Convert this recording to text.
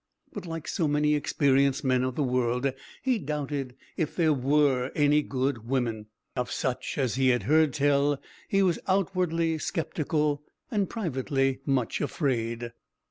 But like so many experienced men of the world, he doubted if there were any good women. Of such as he had heard tell he was outwardly sceptical and privately much afraid.